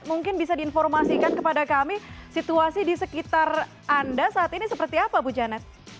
mungkin bisa diinformasikan kepada kami situasi di sekitar anda saat ini seperti apa bu janet